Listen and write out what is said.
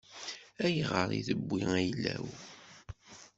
Ayɣer i tewwi ayla-w?